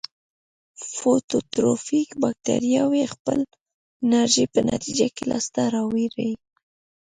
فوتوټروفیک باکتریاوې خپله انرژي په نتیجه کې لاس ته راوړي.